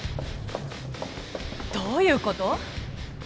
どういうこと？